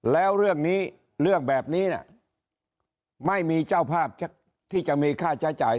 แล้วเรื่องนี้เรื่องแบบนี้ไม่มีเจ้าภาพที่จะมีค่าใช้จ่าย